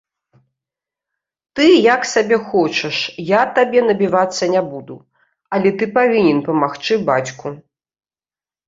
Ты як сабе хочаш, я табе набівацца не буду, але ты павінен памагчы бацьку.